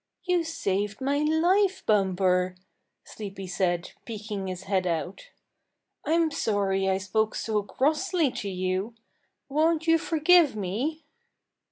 "You saved my life, Bumper," Sleepy said, peeking his head out. "I'm sorry I spoke so crossly to you. Won't you forgive me?"